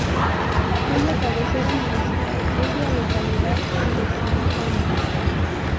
Cuya cabecera municipal es la localidad de Zimapán.